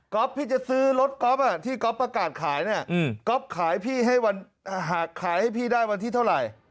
ก๊อฟพี่จะซื้อรถก๊อฟที่ก๊อฟประกาศขายก๊อฟขายให้พี่ได้วันที่เท่าไหร่